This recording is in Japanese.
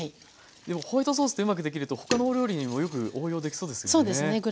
でもホワイトソースってうまくできると他のお料理にもよく応用できそうですよね。